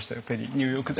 ニューヨークで。